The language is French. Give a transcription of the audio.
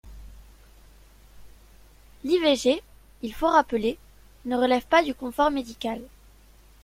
L’IVG, il faut rappeler, ne relève pas du confort médical.